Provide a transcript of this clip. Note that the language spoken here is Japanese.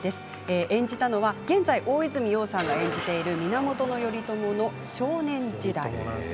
演じたのは現在、大泉洋さんが演じている源頼朝の少年時代です。